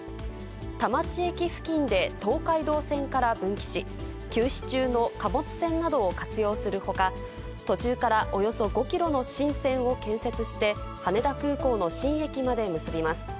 田町駅付近で東海道線から分岐し、休止中の貨物線などを活用するほか、途中からおよそ５キロの新線を建設して、羽田空港の新駅まで結びます。